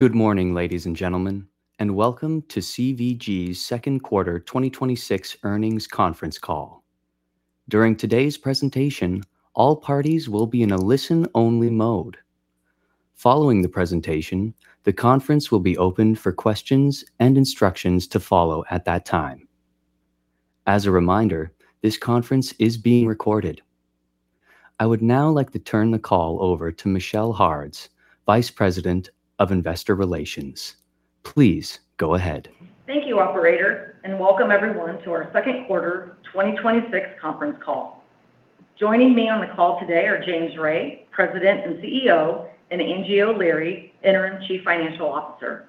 Good morning, ladies and gentlemen, and welcome to CVG's second quarter 2026 earnings conference call. During today's presentation, all parties will be in a listen-only mode. Following the presentation, the conference will be opened for questions and instructions to follow at that time. As a reminder, this conference is being recorded. I would now like to turn the call over to Michelle Hards, Vice President of Investor Relations. Please go ahead. Thank you, operator, and welcome everyone to our second quarter 2026 conference call. Joining me on the call today are James Ray, President and CEO, and Angie O'Leary, Interim Chief Financial Officer.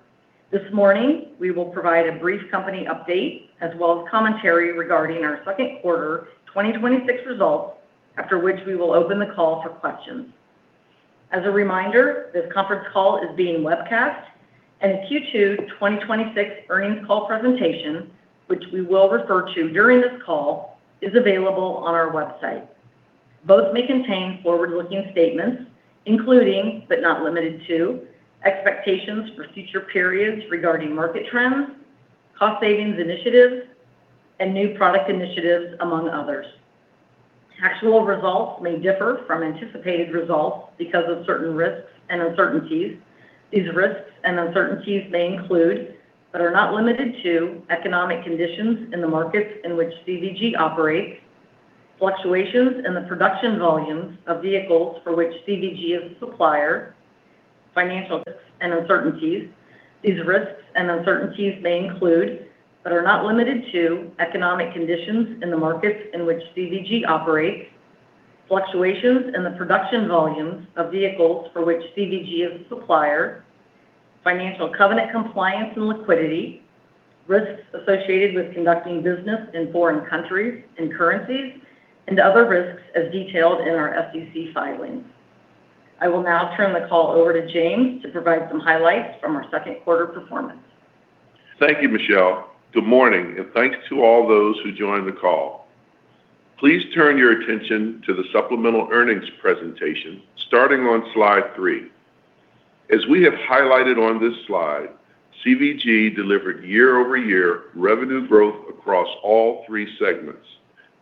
This morning, we will provide a brief company update as well as commentary regarding our second quarter 2026 results, after which we will open the call for questions. As a reminder, this conference call is being webcast, and a Q2 2026 earnings call presentation, which we will refer to during this call, is available on our website. Both may contain forward-looking statements, including, but not limited to, expectations for future periods regarding market trends, cost savings initiatives, and new product initiatives, among others. Actual results may differ from anticipated results because of certain risks and uncertainties. These risks and uncertainties may include, but are not limited to, economic conditions in the markets in which CVG operates, fluctuations in the production volumes of vehicles for which CVG is a supplier, financial risks and uncertainties. These risks and uncertainties may include, but are not limited to, economic conditions in the markets in which CVG operates, fluctuations in the production volumes of vehicles for which CVG is a supplier, financial covenant compliance and liquidity, risks associated with conducting business in foreign countries and currencies, and other risks as detailed in our SEC filings. I will now turn the call over to James to provide some highlights from our second quarter performance. Thank you, Michelle. Good morning, and thanks to all those who joined the call. Please turn your attention to the supplemental earnings presentation starting on slide three. As we have highlighted on this slide, CVG delivered year-over-year revenue growth across all three segments.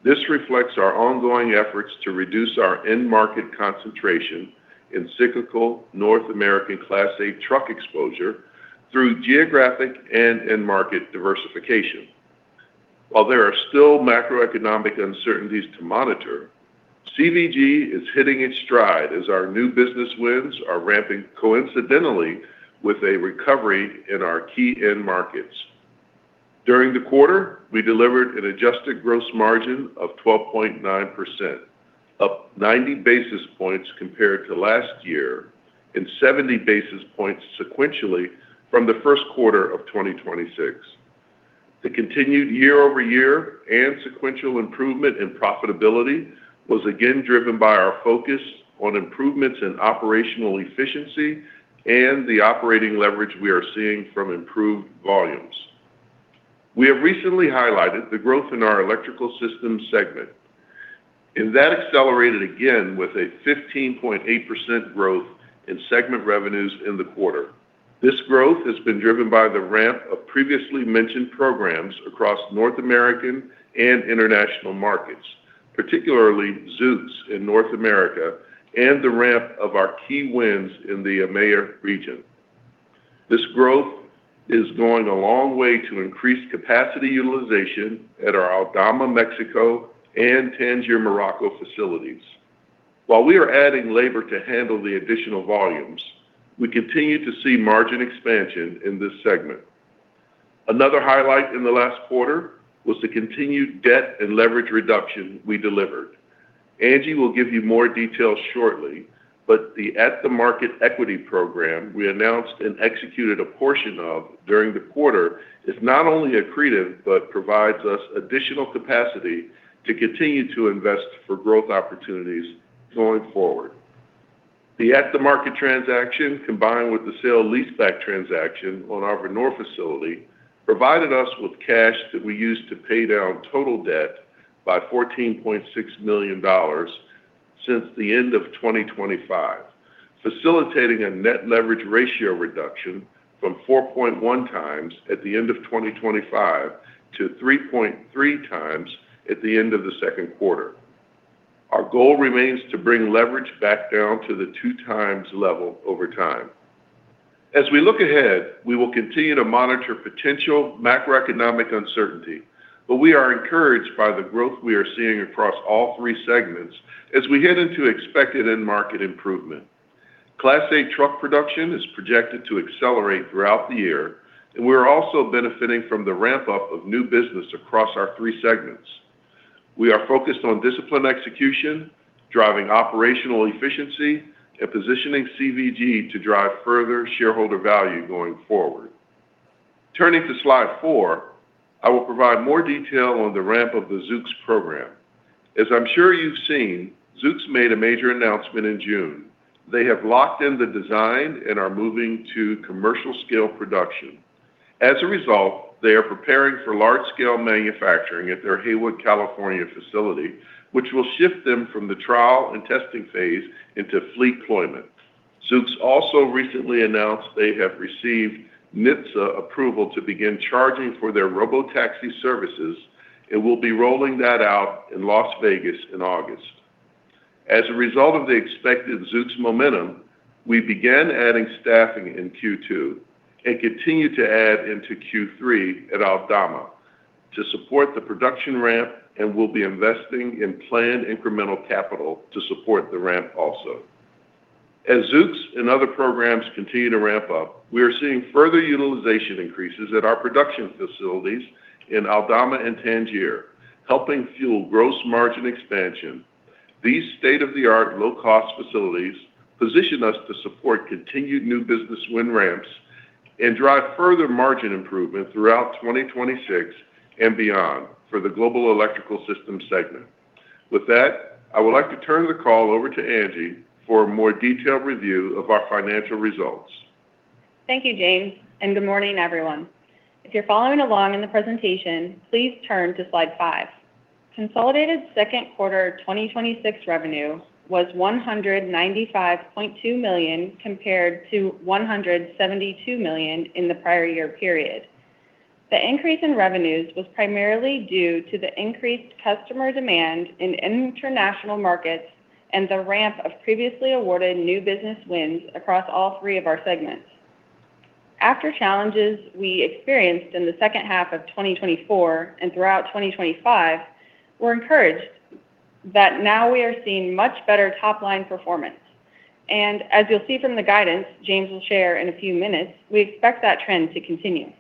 This reflects our ongoing efforts to reduce our end market concentration in cyclical North American Class 8 truck exposure through geographic and end market diversification. While there are still macroeconomic uncertainties to monitor, CVG is hitting its stride as our new business wins are ramping coincidentally with a recovery in our key end markets. During the quarter, we delivered an adjusted gross margin of 12.9%, up 90 basis points compared to last year and 70 basis points sequentially from the first quarter of 2026. The continued year-over-year and sequential improvement in profitability was again driven by our focus on improvements in operational efficiency and the operating leverage we are seeing from improved volumes. We have recently highlighted the growth in our Electrical Systems segment, and that accelerated again with a 15.8% growth in segment revenues in the quarter. This growth has been driven by the ramp of previously mentioned programs across North American and international markets, particularly Zoox in North America and the ramp of our key wins in the EMEA region. This growth is going a long way to increase capacity utilization at our Aldama, Mexico, and Tangier, Morocco facilities. While we are adding labor to handle the additional volumes, we continue to see margin expansion in this segment. Another highlight in the last quarter was the continued debt and leverage reduction we delivered. Angie will give you more details shortly, but the at-the-market equity program we announced and executed a portion of during the quarter is not only accretive, but provides us additional capacity to continue to invest for growth opportunities going forward. The at-the-market transaction, combined with the sale-leaseback transaction on our Vonore facility, provided us with cash that we used to pay down total debt by $14.6 million since the end of 2025, facilitating a net leverage ratio reduction from 4.1x at the end of 2025 to 3.3x at the end of the second quarter. Our goal remains to bring leverage back down to the two times level over time. As we look ahead, we will continue to monitor potential macroeconomic uncertainty, but we are encouraged by the growth we are seeing across all three segments as we head into expected end market improvement. Class 8 truck production is projected to accelerate throughout the year, and we are also benefiting from the ramp-up of new business across our three segments. We are focused on disciplined execution, driving operational efficiency, and positioning CVG to drive further shareholder value going forward. Turning to slide four, I will provide more detail on the ramp of the Zoox program. As I'm sure you've seen, Zoox made a major announcement in June. They have locked in the design and are moving to commercial scale production. As a result, they are preparing for large-scale manufacturing at their Hayward, California, facility, which will shift them from the trial and testing phase into fleet deployment. Zoox also recently announced they have received NHTSA approval to begin charging for their robotaxi services and will be rolling that out in Las Vegas in August. As a result of the expected Zoox momentum, we began adding staffing in Q2 and continue to add into Q3 at Aldama to support the production ramp, and we'll be investing in planned incremental capital to support the ramp also. As Zoox and other programs continue to ramp up, we are seeing further utilization increases at our production facilities in Aldama and Tangier, helping fuel gross margin expansion. These state-of-the-art, low-cost facilities position us to support continued new business win ramps and drive further margin improvement throughout 2026 and beyond for the Global Electrical Systems segment. With that, I would like to turn the call over to Angie for a more detailed review of our financial results. Thank you, James, and good morning, everyone. If you're following along in the presentation, please turn to Slide five. Consolidated second quarter 2026 revenue was $195.2 million, compared to $172 million in the prior year period. The increase in revenues was primarily due to the increased customer demand in international markets and the ramp of previously awarded new business wins across all three of our segments. After challenges we experienced in the second half of 2024 and throughout 2025, we're encouraged that now we are seeing much better top-line performance. As you'll see from the guidance James will share in a few minutes, we expect that trend to continue.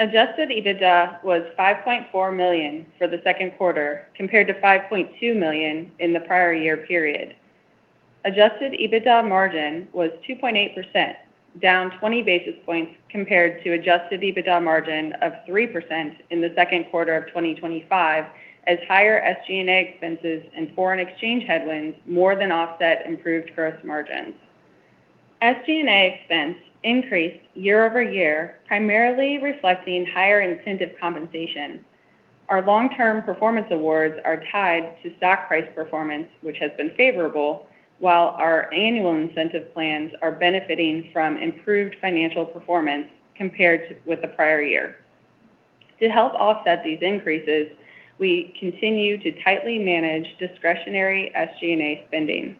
Adjusted EBITDA was $5.4 million for the second quarter, compared to $5.2 million in the prior year period. Adjusted EBITDA margin was 2.8%, down 20 basis points compared to adjusted EBITDA margin of 3% in the second quarter of 2025, as higher SG&A expenses and foreign exchange headwinds more than offset improved gross margins. SG&A expense increased year-over-year, primarily reflecting higher incentive compensation. Our long-term performance awards are tied to stock price performance, which has been favorable, while our annual incentive plans are benefiting from improved financial performance compared with the prior year. To help offset these increases, we continue to tightly manage discretionary SG&A spending.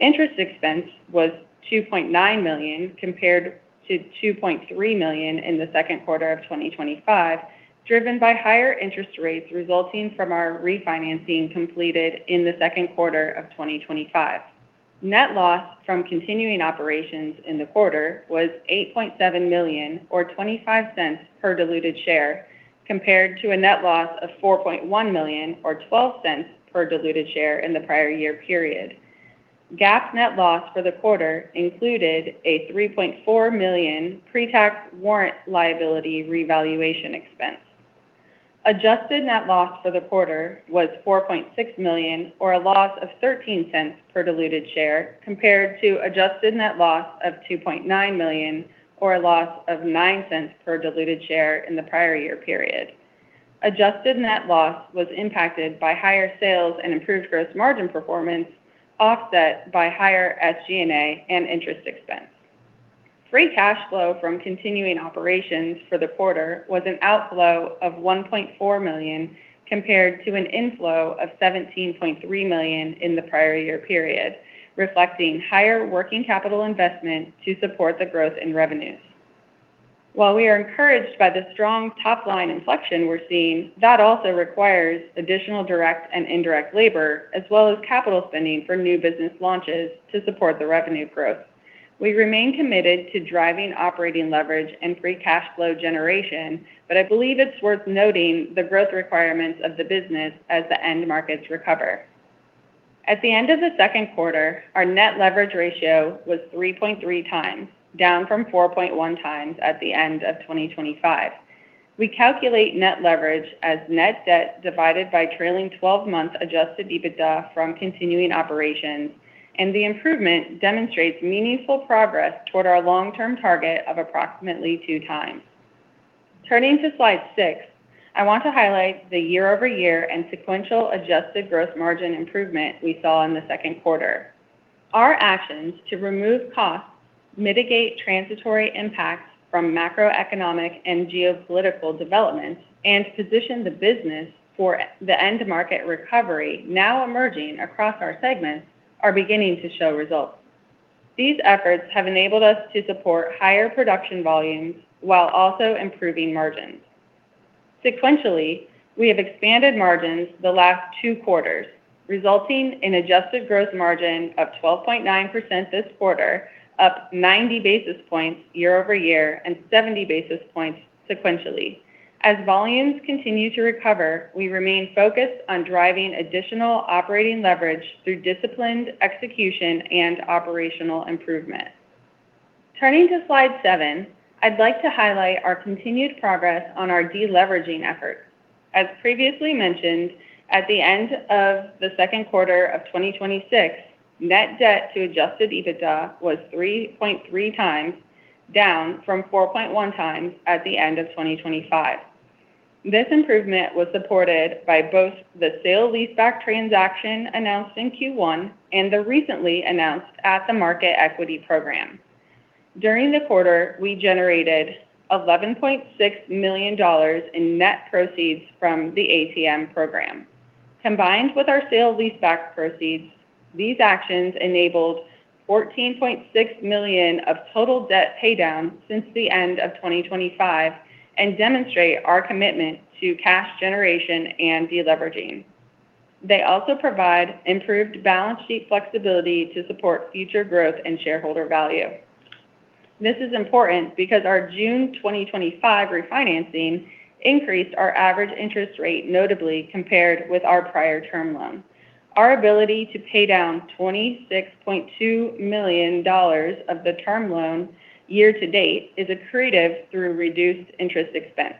Interest expense was $2.9 million, compared to $2.3 million in the second quarter of 2025, driven by higher interest rates resulting from our refinancing completed in the second quarter of 2025. Net loss from continuing operations in the quarter was $8.7 million or $0.25 per diluted share, compared to a net loss of $4.1 million or $0.12 per diluted share in the prior year period. GAAP net loss for the quarter included a $3.4 million pre-tax warrant liability revaluation expense. Adjusted net loss for the quarter was $4.6 million or a loss of $0.13 per diluted share, compared to adjusted net loss of $2.9 million or a loss of $0.09 per diluted share in the prior year period. Adjusted net loss was impacted by higher sales and improved gross margin performance, offset by higher SG&A and interest expense. Free cash flow from continuing operations for the quarter was an outflow of $1.4 million compared to an inflow of $17.3 million in the prior year period, reflecting higher working capital investment to support the growth in revenues. While we are encouraged by the strong top-line inflection we're seeing, that also requires additional direct and indirect labor, as well as capital spending for new business launches to support the revenue growth. We remain committed to driving operating leverage and free cash flow generation, but I believe it's worth noting the growth requirements of the business as the end markets recover. At the end of the second quarter, our net leverage ratio was 3.3x, down from 4.1x at the end of 2025. We calculate net leverage as net debt divided by trailing 12 month adjusted EBITDA from continuing operations, and the improvement demonstrates meaningful progress toward our long-term target of approximately two times. Turning to Slide six, I want to highlight the year-over-year and sequential adjusted growth margin improvement we saw in the second quarter. Our actions to remove costs, mitigate transitory impacts from macroeconomic and geopolitical developments, and position the business for the end market recovery now emerging across our segments are beginning to show results. These efforts have enabled us to support higher production volumes while also improving margins. Sequentially, we have expanded margins the last two quarters, resulting in adjusted gross margin of 12.9% this quarter, up 90 basis points year-over-year, and 70 basis points sequentially. As volumes continue to recover, we remain focused on driving additional operating leverage through disciplined execution and operational improvement. Turning to Slide seven, I'd like to highlight our continued progress on our deleveraging efforts. As previously mentioned, at the end of the second quarter of 2026, net debt to adjusted EBITDA was 3.3x, down from 4.1x the end of 2025. This improvement was supported by both the sale-leaseback transaction announced in Q1 and the recently announced at-the-market equity program. During the quarter, we generated $11.6 million in net proceeds from the ATM program. Combined with our sale-leaseback proceeds, these actions enabled $14.6 million of total debt paydown since the end of 2025 and demonstrate our commitment to cash generation and deleveraging. They also provide improved balance sheet flexibility to support future growth and shareholder value. This is important because our June 2025 refinancing increased our average interest rate notably compared with our prior term loan. Our ability to pay down $26.2 million of the term loan year-to-date is accretive through reduced interest expense.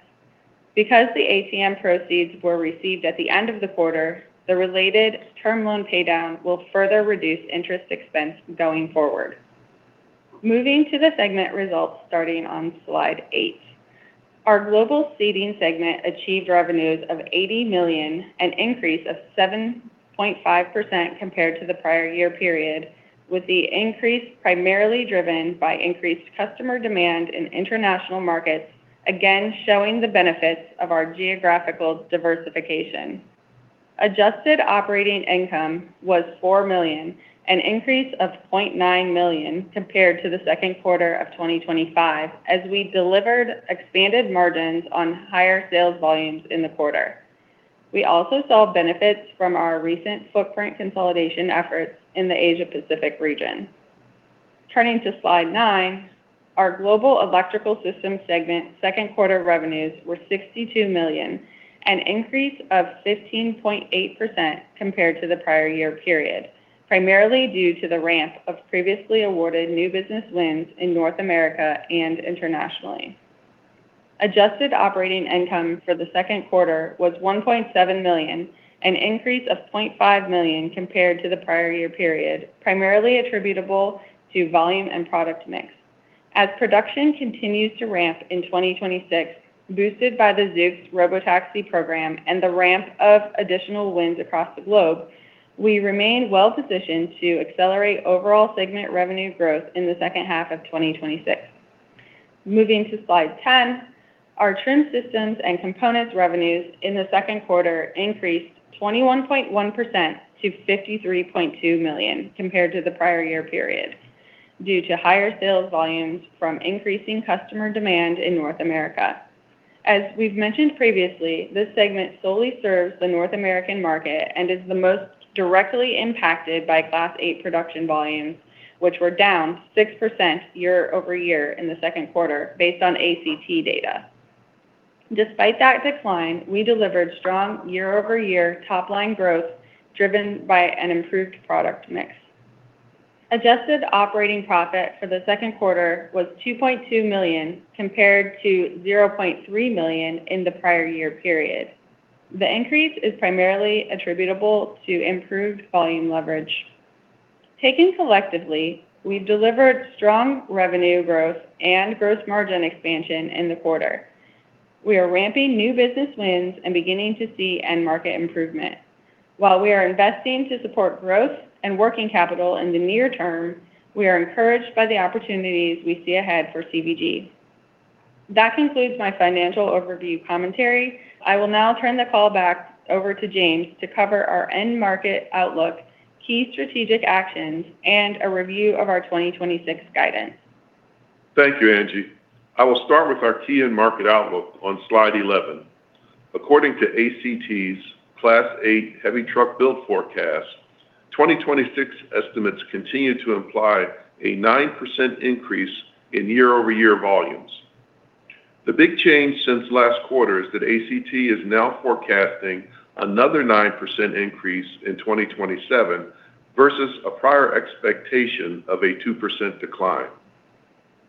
Because the ATM proceeds were received at the end of the quarter, the related term loan paydown will further reduce interest expense going forward. Moving to the segment results starting on slide eight. Our Global Seating segment achieved revenues of $80 million, an increase of 7.5% compared to the prior year period, with the increase primarily driven by increased customer demand in international markets, again showing the benefits of our geographical diversification. Adjusted operating income was $4 million, an increase of $0.9 million compared to the second quarter of 2025, as we delivered expanded margins on higher sales volumes in the quarter. We also saw benefits from our recent footprint consolidation efforts in the Asia-Pacific region. Turning to slide nine, our Global Electrical Systems segment second quarter revenues were $62 million, an increase of 15.8% compared to the prior year period, primarily due to the ramp of previously awarded new business wins in North America and internationally. Adjusted operating income for the second quarter was $1.7 million, an increase of $0.5 million compared to the prior year period, primarily attributable to volume and product mix. As production continues to ramp in 2026, boosted by the Zoox robotaxi program and the ramp of additional wins across the globe, we remain well-positioned to accelerate overall segment revenue growth in the second half of 2026. Moving to slide 10, our Trim Systems and Components revenues in the second quarter increased 21.1% to $53.2 million compared to the prior year period due to higher sales volumes from increasing customer demand in North America. As we've mentioned previously, this segment solely serves the North American market and is the most directly impacted by Class 8 production volumes, which were down 6% year-over-year in the second quarter based on ACT data. Despite that decline, we delivered strong year-over-year top-line growth driven by an improved product mix. Adjusted operating profit for the second quarter was $2.2 million compared to $0.3 million in the prior year period. The increase is primarily attributable to improved volume leverage. Taken collectively, we've delivered strong revenue growth and gross margin expansion in the quarter. We are ramping new business wins and beginning to see end market improvement. While we are investing to support growth and working capital in the near term, we are encouraged by the opportunities we see ahead for CVG. That concludes my financial overview commentary. I will now turn the call back over to James to cover our end market outlook, key strategic actions, and a review of our 2026 guidance. Thank you, Angie. I will start with our key end market outlook on slide 11. According to ACT's Class 8 heavy truck build forecast, 2026 estimates continue to imply a 9% increase in year-over-year volumes. The big change since last quarter is that ACT is now forecasting another 9% increase in 2027 versus a prior expectation of a 2% decline.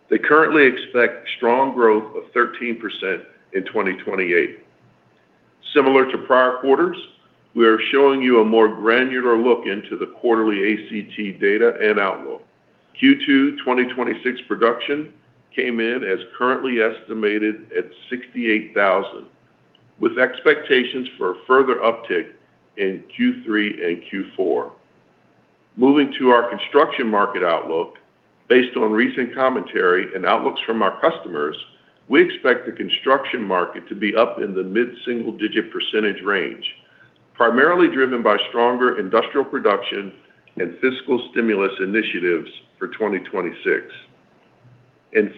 They currently expect strong growth of 13% in 2028. Similar to prior quarters, we are showing you a more granular look into the quarterly ACT data and outlook. Q2 2026 production came in as currently estimated at 68,000, with expectations for a further uptick in Q3 and Q4. Moving to our construction market outlook, based on recent commentary and outlooks from our customers, we expect the construction market to be up in the mid-single digit percentage range, primarily driven by stronger industrial production and fiscal stimulus initiatives for 2026.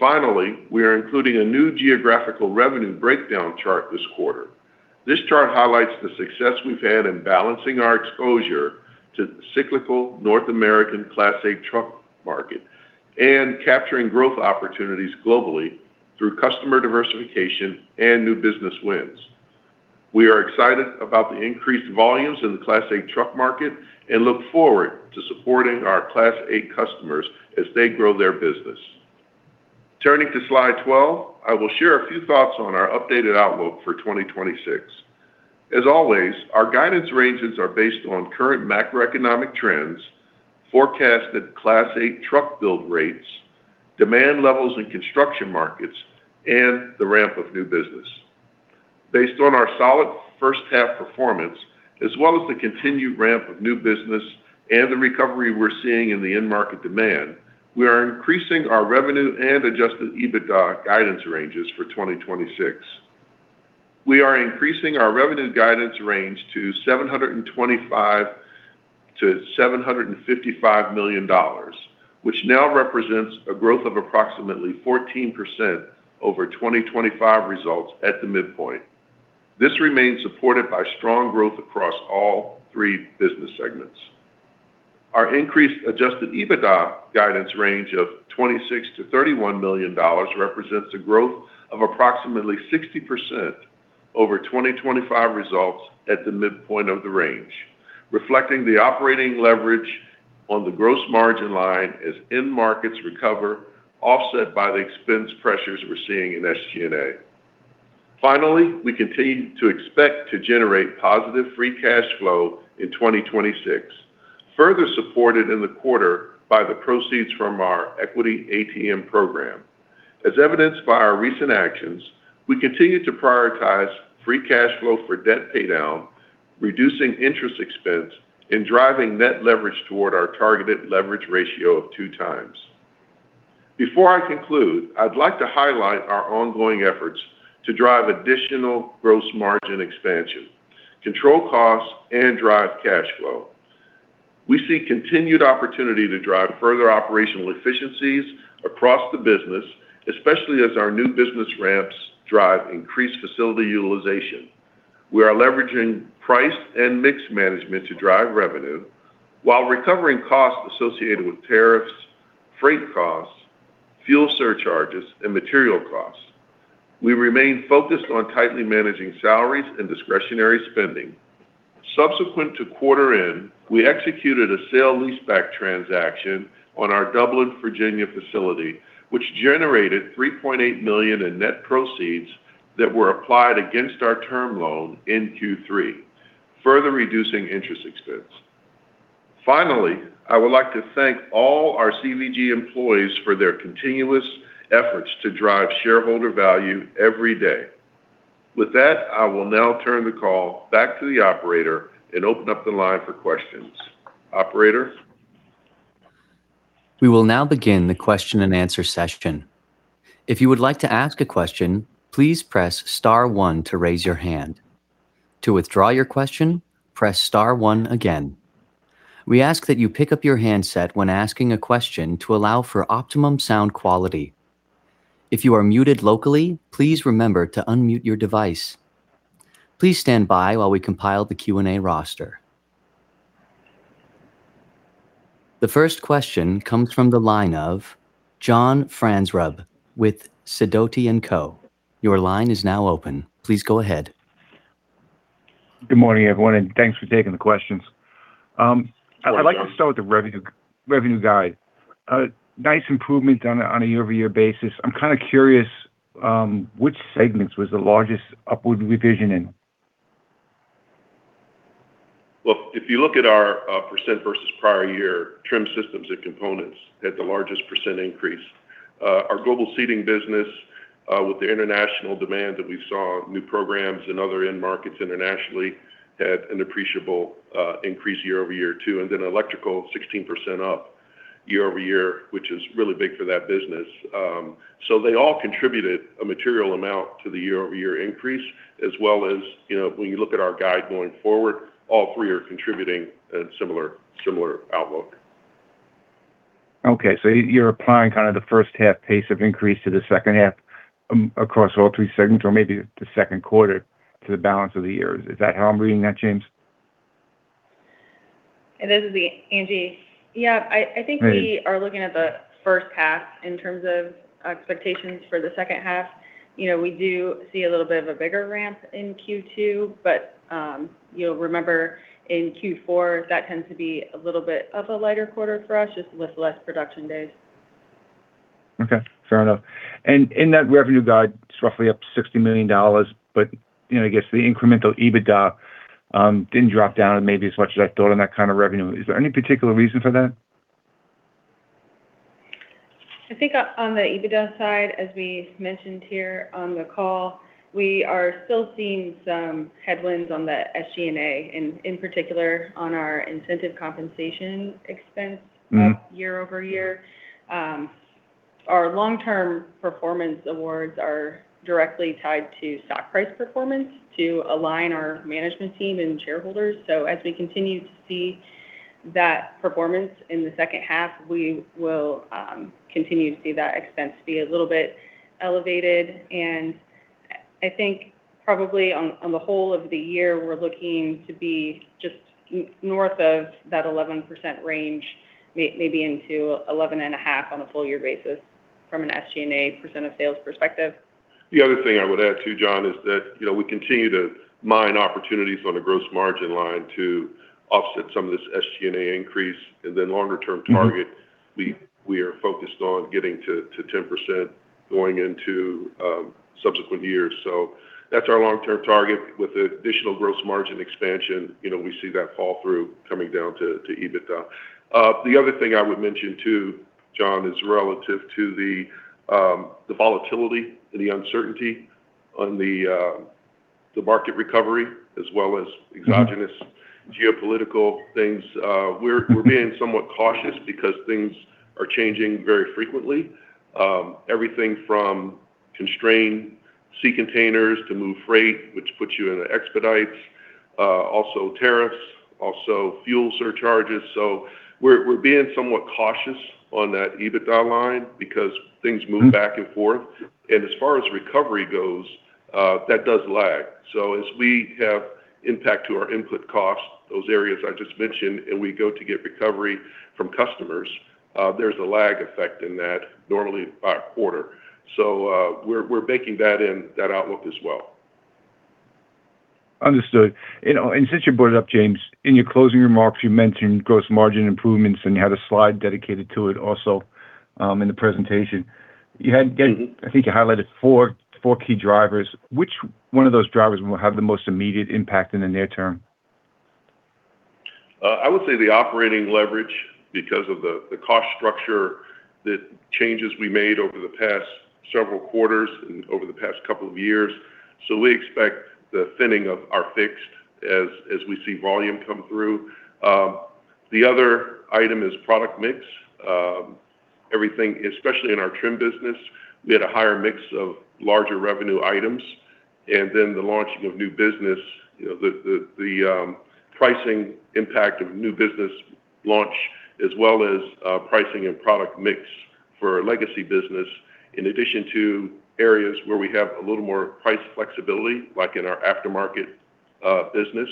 Finally, we are including a new geographical revenue breakdown chart this quarter. This chart highlights the success we've had in balancing our exposure to cyclical North American Class 8 truck market and capturing growth opportunities globally through customer diversification and new business wins. We are excited about the increased volumes in the Class 8 truck market and look forward to supporting our Class 8 customers as they grow their business. Turning to slide 12, I will share a few thoughts on our updated outlook for 2026. As always, our guidance ranges are based on current macroeconomic trends, forecasted Class 8 truck build rates, demand levels in construction markets, and the ramp of new business. Based on our solid first-half performance, as well as the continued ramp of new business and the recovery we're seeing in the end market demand, we are increasing our revenue and adjusted EBITDA guidance ranges for 2026. We are increasing our revenue guidance range to $725 million-$755 million, which now represents a growth of approximately 14% over 2025 results at the midpoint. This remains supported by strong growth across all three business segments. Our increased adjusted EBITDA guidance range of $26 million-$31 million represents a growth of approximately 60% over 2025 results at the midpoint of the range, reflecting the operating leverage on the gross margin line as end markets recover, offset by the expense pressures we're seeing in SG&A. Finally, we continue to expect to generate positive free cash flow in 2026, further supported in the quarter by the proceeds from our equity ATM program. As evidenced by our recent actions, we continue to prioritize free cash flow for debt paydown, reducing interest expense, and driving net leverage toward our targeted leverage ratio of two times. Before I conclude, I'd like to highlight our ongoing efforts to drive additional gross margin expansion, control costs, and drive cash flow. We see continued opportunity to drive further operational efficiencies across the business, especially as our new business ramps drive increased facility utilization. We are leveraging price and mix management to drive revenue while recovering costs associated with tariffs, freight costs, fuel surcharges, and material costs. We remain focused on tightly managing salaries and discretionary spending. Subsequent to quarter end, we executed a sale-leaseback transaction on our Dublin, Virginia facility, which generated $3.8 million in net proceeds that were applied against our term loan in Q3, further reducing interest expense. Finally, I would like to thank all our CVG employees for their continuous efforts to drive shareholder value every day. With that, I will now turn the call back to the operator and open up the line for questions. Operator? We will now begin the question and answer session. If you would like to ask a question, please press star one to raise your hand. To withdraw your question, press star one again. We ask that you pick up your handset when asking a question to allow for optimum sound quality. If you are muted locally, please remember to unmute your device. Please stand by while we compile the Q&A roster. The first question comes from the line of John Franzreb with Sidoti & Co. Your line is now open. Please go ahead. Good morning, everyone, thanks for taking the questions. Good morning, John. I'd like to start with the revenue guide. A nice improvement on a year-over-year basis. I'm kind of curious, which segments was the largest upward revision in? Well, if you look at our percent versus prior year, Trim Systems and Components had the largest percent increase. Our Global Seating business, with the international demand that we saw, new programs and other end markets internationally, had an appreciable increase year-over-year too. Electrical, 16% up year-over-year, which is really big for that business. They all contributed a material amount to the year-over-year increase as well as when you look at our guide going forward, all three are contributing a similar outlook. Okay. You're applying kind of the first half pace of increase to the second half across all three segments or maybe the second quarter to the balance of the year. Is that how I'm reading that, James? It is. Angie. Yeah, I think. Great We are looking at the first half in terms of expectations for the second half. We do see a little bit of a bigger ramp in Q2. But you will remember in Q4, that tends to be a little bit of a lighter quarter for us, just with less production days. Okay, fair enough. In that revenue guide, it's roughly up to $60 million. I guess the incremental EBITDA didn't drop down maybe as much as I thought on that kind of revenue. Is there any particular reason for that? I think on the EBITDA side, as we mentioned here on the call, we are still seeing some headwinds on the SG&A, in particular on our incentive compensation expense. year-over-year. Our long-term performance awards are directly tied to stock price performance to align our management team and shareholders. As we continue to see that performance in the second half, we will continue to see that expense be a little bit elevated. I think probably on the whole of the year, we're looking to be just north of that 11% range, maybe into 11.5% on a full year basis from an SG&A percent of sales perspective. The other thing I would add too, John, is that we continue to mine opportunities on the gross margin line to offset some of this SG&A increase. Then longer-term target, we are focused on getting to 10% going into subsequent years. That's our long-term target. With the additional gross margin expansion, we see that fall through coming down to EBITDA. The other thing I would mention too, John, is relative to the volatility and the uncertainty on the market recovery as well as exogenous geopolitical things. We're being somewhat cautious because things are changing very frequently. Everything from constrained sea containers to move freight, which puts you into expedites, also tariffs, also fuel surcharges. We're being somewhat cautious on that EBITDA line because things move back and forth. As far as recovery goes, that does lag. As we have impact to our input costs, those areas I just mentioned, and we go to get recovery from customers, there's a lag effect in that, normally by quarter. We're baking that in that outlook as well. Understood. Since you brought it up, James, in your closing remarks, you mentioned gross margin improvements and you had a slide dedicated to it also in the presentation. You had, again, I think you highlighted four key drivers. Which one of those drivers will have the most immediate impact in the near term? I would say the operating leverage because of the cost structure, the changes we made over the past several quarters and over the past couple of years. We expect the thinning of our fixed as we see volume come through. The other item is product mix. Everything, especially in our Trim business, we had a higher mix of larger revenue items. The launching of new business, the pricing impact of new business launch, as well as pricing and product mix for our legacy business, in addition to areas where we have a little more price flexibility, like in our aftermarket business,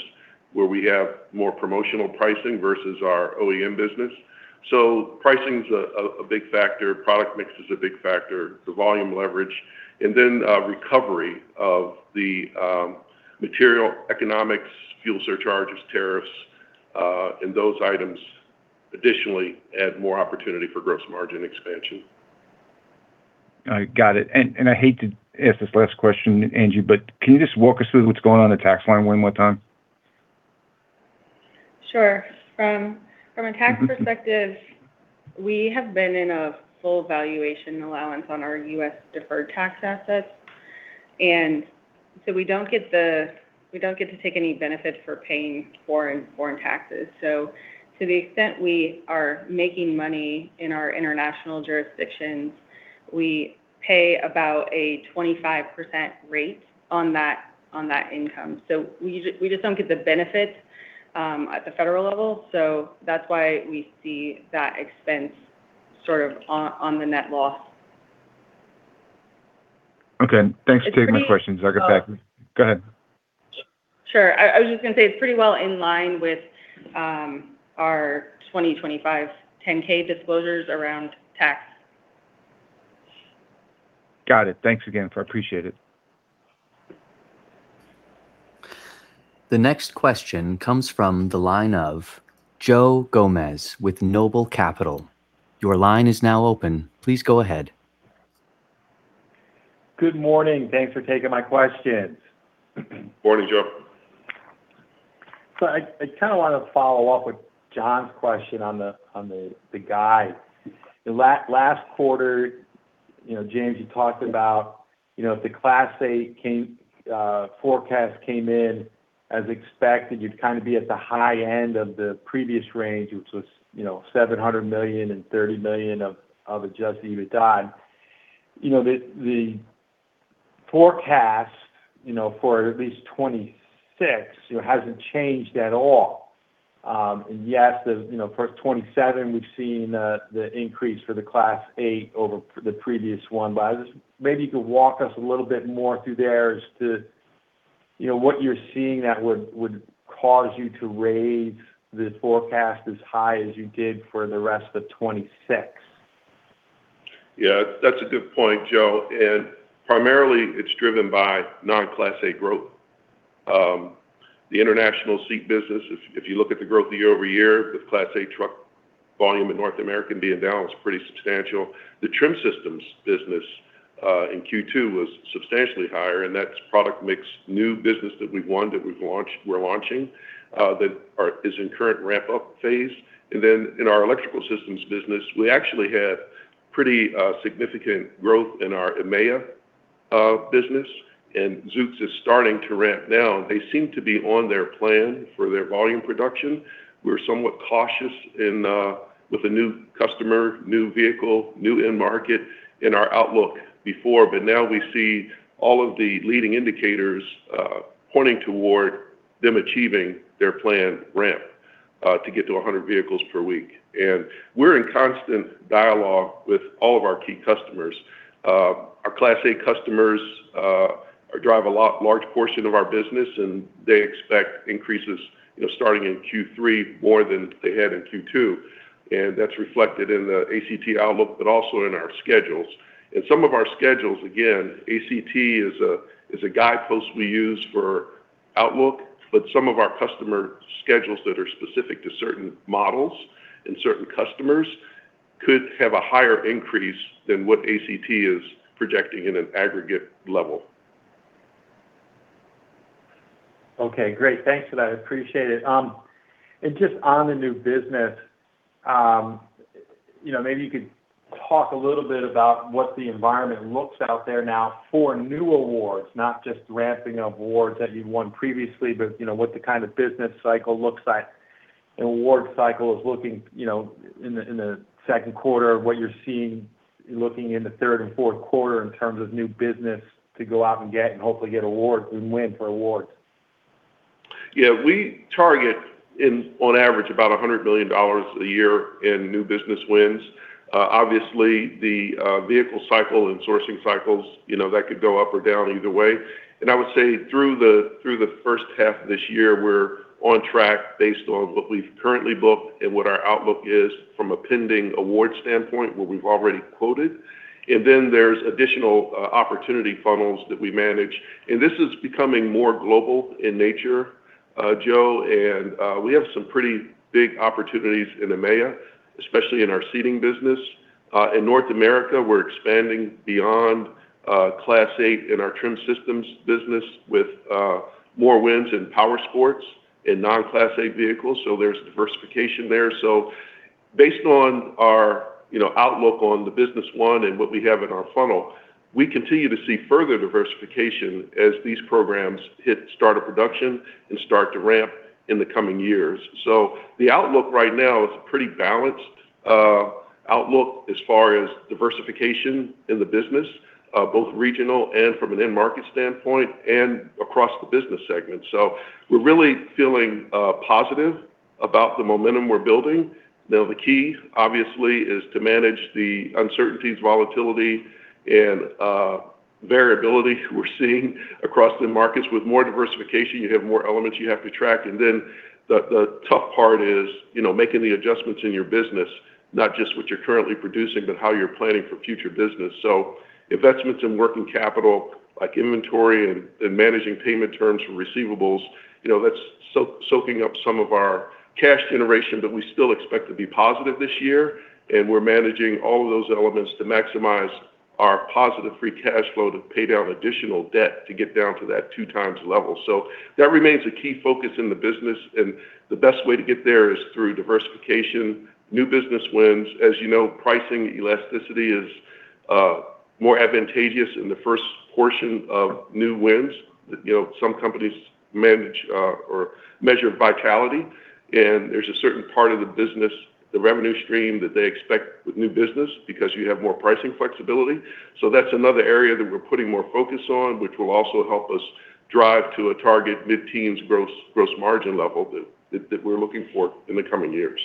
where we have more promotional pricing versus our OEM business. Pricing's a big factor. Product mix is a big factor. The volume leverage, recovery of the material economics, fuel surcharges, tariffs, and those items additionally add more opportunity for gross margin expansion. I got it. I hate to ask this last question, Angie, can you just walk us through what's going on in the tax line one more time? Sure. From a tax perspective, we have been in a full valuation allowance on our U.S. deferred tax assets, we don't get to take any benefit for paying foreign taxes. To the extent we are making money in our international jurisdictions, we pay about a 25% rate on that income. We just don't get the benefit at the federal level. That's why we see that expense sort of on the net loss. Okay. Thanks for taking my questions. I can pass back. Go ahead. Sure. I was just going to say it's pretty well in line with our 2025 10-K disclosures around tax. Got it. Thanks again. I appreciate it. The next question comes from the line of Joe Gomes with Noble Capital. Your line is now open. Please go ahead. Good morning. Thanks for taking my questions. Morning, Joe. I kind of want to follow up with John's question on the guide. Last quarter, James, you talked about if the Class 8 forecast came in as expected, you'd kind of be at the high end of the previous range, which was $700 million and $30 million of adjusted EBITDA. The forecast for at least 2026 hasn't changed at all. Yes, for 2027, we've seen the increase for the Class 8 over the previous one. Maybe you could walk us a little bit more through there as to what you're seeing that would cause you to raise the forecast as high as you did for the rest of 2026. That's a good point, Joe, primarily it's driven by non-Class 8 growth. The international seat business, if you look at the growth year-over-year with Class 8 truck volume in North America being down, it's pretty substantial. The Trim Systems business in Q2 was substantially higher, and that's product mix, new business that we've won, that we're launching, that is in current ramp-up phase. Then in our Electrical Systems business, we actually had pretty significant growth in our EMEA business. Zoox is starting to ramp now. They seem to be on their plan for their volume production. We're somewhat cautious with a new customer, new vehicle, new end market in our outlook before, but now we see all of the leading indicators pointing toward them achieving their planned ramp to get to 100 vehicles per week. We're in constant dialogue with all of our key customers. Our Class 8 customers drive a large portion of our business, and they expect increases starting in Q3 more than they had in Q2. That's reflected in the ACT outlook, also in our schedules. Some of our schedules, again, ACT is a guidepost we use for outlook, some of our customer schedules that are specific to certain models and certain customers could have a higher increase than what ACT is projecting in an aggregate level. Okay, great. Thanks for that. I appreciate it. Just on the new business, maybe you could talk a little bit about what the environment looks out there now for new awards, not just ramping up awards that you've won previously, but what the kind of business cycle looks like and award cycle is looking in the second quarter, what you're seeing looking in the third and fourth quarter in terms of new business to go out and get, and hopefully get awards and win for awards. Yeah. We target on average about $100 million a year in new business wins. Obviously, the vehicle cycle and sourcing cycles, that could go up or down either way. I would say through the first half of this year, we're on track based on what we've currently booked and what our outlook is from a pending award standpoint, what we've already quoted. Then there's additional opportunity funnels that we manage. This is becoming more global in nature, Joe, and we have some pretty big opportunities in EMEA, especially in our seating business. In North America, we're expanding beyond Class 8 in our trim systems business with more wins in power sports and non-Class 8 vehicles. There's diversification there. Based on our outlook on the business won and what we have in our funnel, we continue to see further diversification as these programs hit start of production and start to ramp in the coming years. The outlook right now is a pretty balanced outlook as far as diversification in the business, both regional and from an end market standpoint, and across the business segment. We're really feeling positive about the momentum we're building. Now, the key, obviously, is to manage the uncertainties, volatility, and variability we're seeing across the markets. With more diversification, you have more elements you have to track. Then the tough part is making the adjustments in your business, not just what you're currently producing, but how you're planning for future business. Investments in working capital like inventory and managing payment terms and receivables, that's soaking up some of our cash generation, we still expect to be positive this year. We're managing all of those elements to maximize our positive free cash flow to pay down additional debt to get down to that two times level. That remains a key focus in the business, the best way to get there is through diversification, new business wins. As you know, pricing elasticity is more advantageous in the first portion of new wins. Some companies measure vitality, and there's a certain part of the business, the revenue stream, that they expect with new business because you have more pricing flexibility. That's another area that we're putting more focus on, which will also help us drive to a target mid-teens gross margin level that we're looking for in the coming years.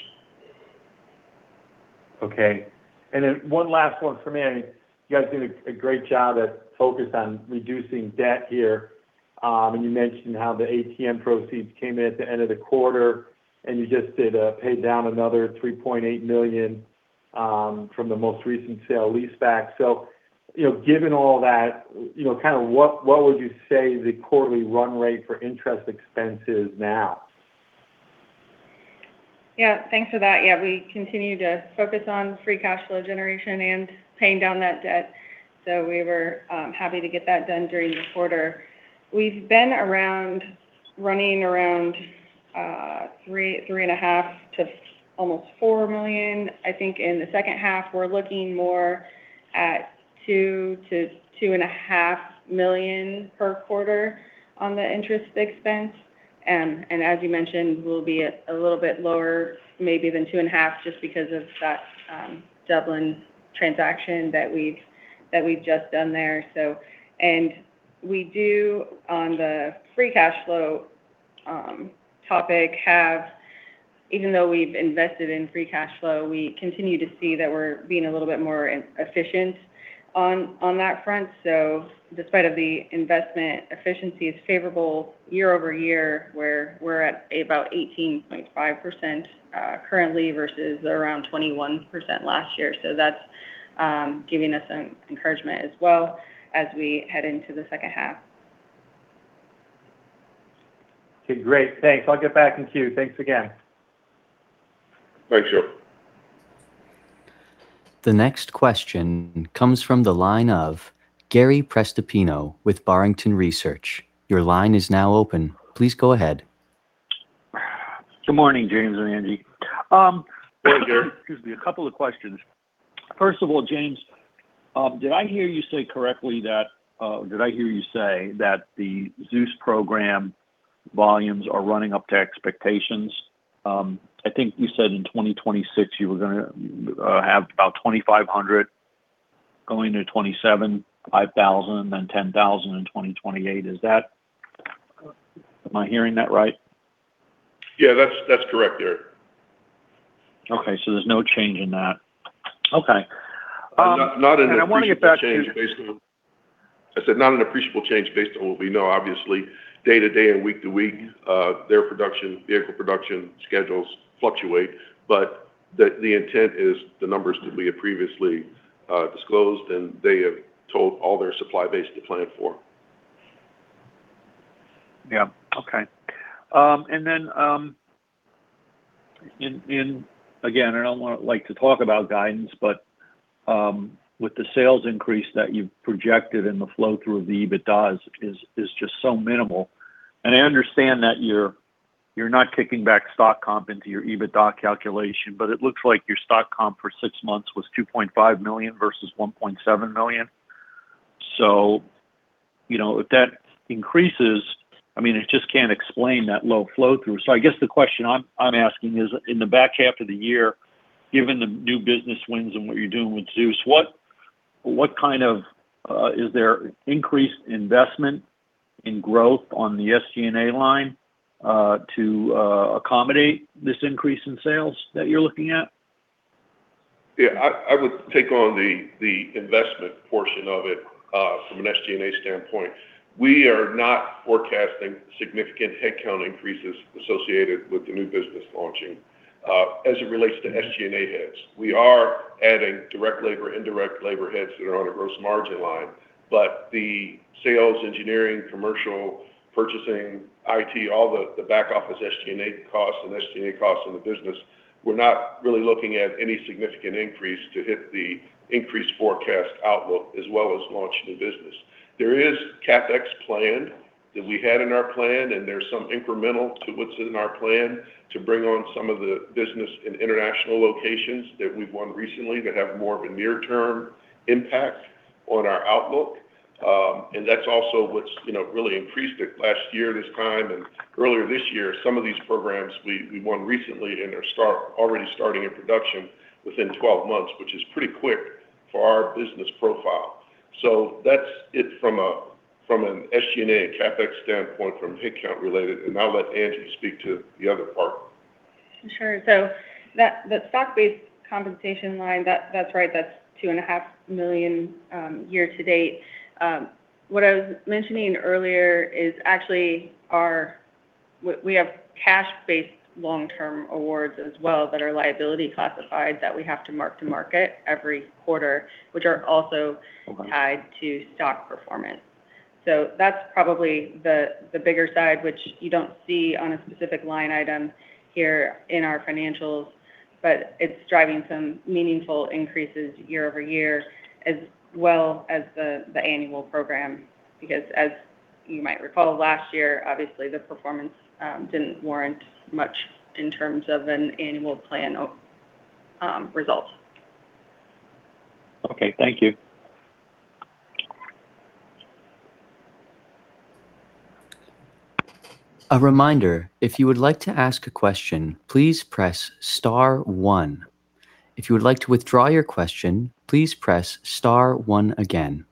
One last one for me. You guys did a great job at focus on reducing debt here. You mentioned how the ATM proceeds came in at the end of the quarter, you just did pay down another $3.8 million from the most recent sale-leaseback. Given all that, what would you say the quarterly run rate for interest expense is now? Thanks for that. We continue to focus on free cash flow generation and paying down that debt. We were happy to get that done during the quarter. We've been running around $3 million, $3.5 million to almost $4 million. I think in the second half, we're looking more at $2 million-$2.5 million per quarter on the interest expense. As you mentioned, we'll be a little bit lower maybe than $2.5 million just because of that Dublin transaction that we've just done there. We do, on the free cash flow topic, even though we've invested in free cash flow, we continue to see that we're being a little bit more efficient on that front. Despite of the investment, efficiency is favorable year-over-year, where we're at about 18.5% currently versus around 21% last year. That's giving us encouragement as well as we head into the second half. Okay, great. Thanks. I'll get back in queue. Thanks again. Thanks, Joe. The next question comes from the line of Gary Prestopino with Barrington Research. Your line is now open. Please go ahead. Good morning, James and Angie. Hey, Gary. Excuse me. A couple of questions. First of all, James, did I hear you say correctly that the Zoox program volumes are running up to expectations? I think you said in 2026 you were going to have about 2,500 going to 2027, 5,000, then 10,000 in 2028. Am I hearing that right? Yeah, that's correct, Gary. Okay. there's no change in that. Okay. I want to get back to- Not an appreciable change based on what we know. Obviously, day to day and week to week, their vehicle production schedules fluctuate. The intent is the numbers that we had previously disclosed, and they have told all their supply base to plan for. Yeah. Okay. Again, I don't like to talk about guidance, with the sales increase that you've projected and the flow through of the EBITDA is just so minimal. I understand that you're not kicking back stock comp into your EBITDA calculation, it looks like your stock comp for six months was $2.5 million versus $1.7 million. If that increases, it just can't explain that low flow through. I guess the question I'm asking is, in the back half of the year, given the new business wins and what you're doing with Zoox, is there increased investment in growth on the SG&A line to accommodate this increase in sales that you're looking at? Yeah, I would take on the investment portion of it from an SG&A standpoint. We are not forecasting significant headcount increases associated with the new business launching as it relates to SG&A heads. We are adding direct labor, indirect labor heads that are on a gross margin line. The sales, engineering, commercial, purchasing, IT, all the back office SG&A costs and the SG&A costs in the business, we're not really looking at any significant increase to hit the increased forecast outlook as well as launch new business. There is CapEx plan that we had in our plan, and there's some incremental to what's in our plan to bring on some of the business in international locations that we've won recently that have more of a near-term impact on our outlook. That's also what's really increased it last year, this time, and earlier this year. Some of these programs we won recently and are already starting in production within 12 months, which is pretty quick for our business profile. That's it from an SG&A CapEx standpoint from headcount related, and I'll let Angie speak to the other part. Sure. That stock-based compensation line, that's right. That's two and a half million year to date. What I was mentioning earlier is actually we have cash-based long-term awards as well that are liability classified that we have to mark to market every quarter, which are also tied to stock performance. That's probably the bigger side, which you don't see on a specific line item here in our financials, but it's driving some meaningful increases year-over-year as well as the annual program. As you might recall, last year, obviously, the performance didn't warrant much in terms of an annual plan of results. Okay. Thank you. A reminder, if you would like to ask a question, please press star one. If you would like to withdraw your question, please press star one again.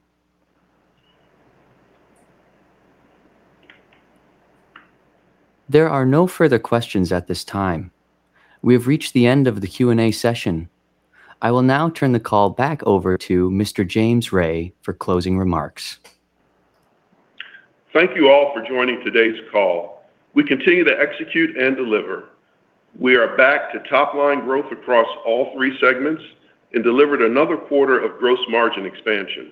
There are no further questions at this time. We have reached the end of the Q&A session. I will now turn the call back over to Mr. James Ray for closing remarks. Thank you all for joining today's call. We continue to execute and deliver. We are back to top-line growth across all three segments and delivered another quarter of gross margin expansion.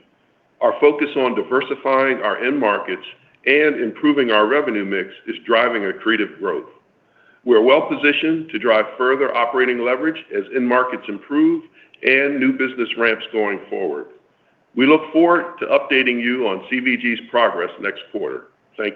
Our focus on diversifying our end markets and improving our revenue mix is driving accretive growth. We're well positioned to drive further operating leverage as end markets improve and new business ramps going forward. We look forward to updating you on CVG's progress next quarter. Thank you.